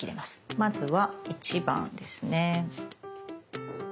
まずは１番ですね。